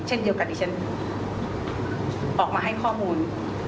เช่นเดียวกันที่ฉันออกมาให้ข้อมูล